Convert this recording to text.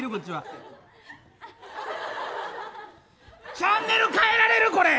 チャンネル変えられるこれ！